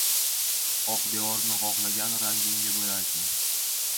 • Oq devorni xohlagan rangingga bo‘yaysan.